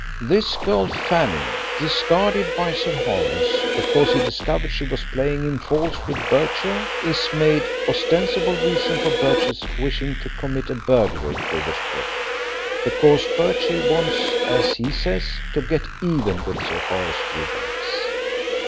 "This girl Fanning, discarded by Sir Horace, because he'd discovered she was playing him false with Birchill, is made the ostensible reason for Birchill's wishing to commit a burglary at Riversbrook, because Birchill wants, as he says, to get even with Sir Horace Fewbanks.